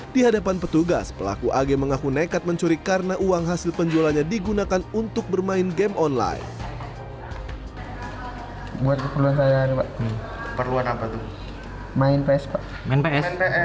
di hadapan petugas pelaku ag mengaku nekat mencuri karena uang hasil penjualannya digunakan untuk bermain game online